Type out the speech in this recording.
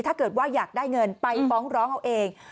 ถ้าเกิดว่าอยากได้เงินไปฟ้องร้องเอาเอง